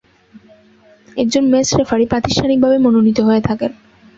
একজন match referee প্রাতিষ্ঠানিকভাবে মনোনীত হয়ে থাকেন।